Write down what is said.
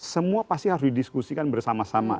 semua pasti harus didiskusikan bersama sama